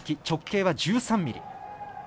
直径は１３ｍｍ。